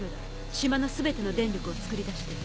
島の全ての電力を作り出してる。